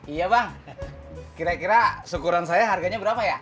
iya bang kira kira syukuran saya harganya berapa ya